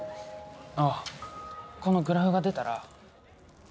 ああこのグラフが出たら